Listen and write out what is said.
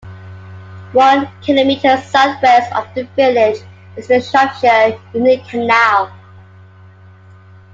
One kilometre southwest of the village is the Shropshire Union Canal.